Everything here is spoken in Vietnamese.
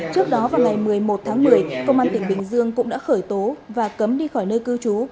trước đó vào ngày một mươi một tháng một mươi công an tỉnh bình dương cũng đã khởi tố và cấm đi khỏi nơi cư trú